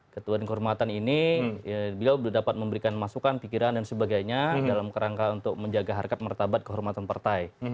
ketua dan kehormatan ini beliau sudah dapat memberikan masukan pikiran dan sebagainya dalam kerangka untuk menjaga harkat martabat kehormatan partai